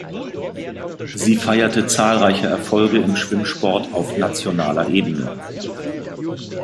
Sie feierte zahlreiche Erfolge im Schwimmsport auf nationaler Ebene.